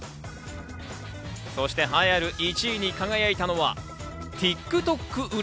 そして栄えある１位に輝いたのはＴｉｋＴｏｋ売れ。